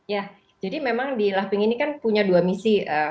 ya jadi memang di loving ini kan punya dua misi